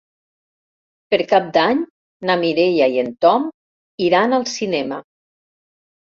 Per Cap d'Any na Mireia i en Tom iran al cinema.